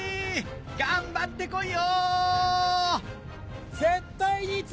頑張って来いよ！